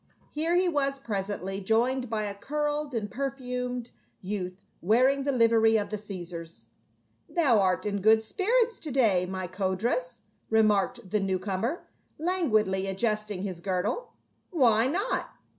Here he was presently joined by a curled and per fumed youth wearing the livery of the Caesars. "Thou art in good spirits to day, my Codrus," re marked the new comer, languidly adjusting his girdle. "Why not?"